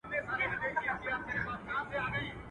ازمويلی څوک نه ازمايي.